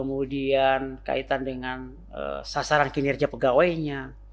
kemudian soal kehadiran kemudian kaitan dengan sasaran kinerja pegawainya